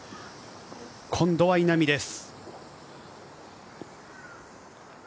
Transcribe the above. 今度は稲見です。